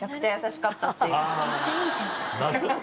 めっちゃいいじゃん。